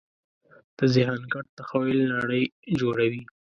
د ذهن ګډ تخیل نړۍ جوړوي.